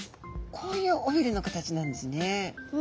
こういう尾びれの形なんですね。